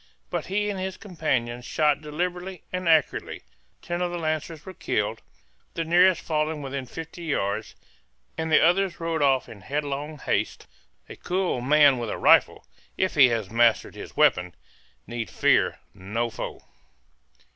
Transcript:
But he and his companions shot deliberately and accurately; ten of the lancers were killed, the nearest falling within fifty yards; and the others rode off in headlong haste. A cool man with a rifle, if he has mastered his weapon, need fear no foe.